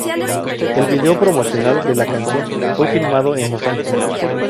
El video promocional de la canción fue filmado en Los Ángeles.